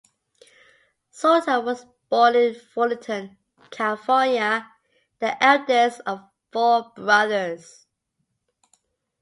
Soto was born in Fullerton, California, the eldest of four brothers.